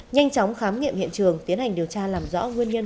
nhanh chóng khám nghiệm hiện trường tiến hành điều tra làm rõ nguyên nhân